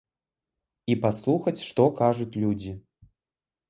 І паслухаць, што кажуць людзі.